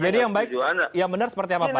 jadi yang baik yang benar seperti apa pak